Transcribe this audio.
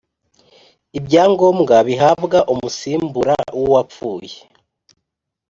ibya ngombwa bihabwa umusimbura wuwa pfuye